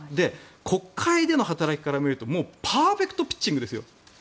国会での働きから見るとパーフェクトピッチングですよ。